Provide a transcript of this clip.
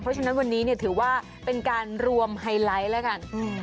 เพราะฉะนั้นวันนี้ถือว่าเป็นการรวมไฮไลท์แล้วกัน